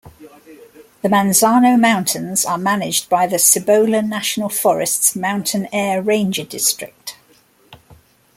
The Manzano Mountains are managed by the Cibola National Forest's Mountainair Ranger District.